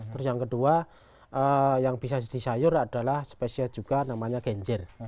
terus yang kedua yang bisa jadi sayur adalah spesies juga namanya genjer